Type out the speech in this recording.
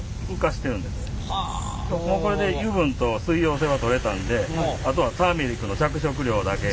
もうこれで油分と水溶性は取れたんであとはターメリックの着色料だけ。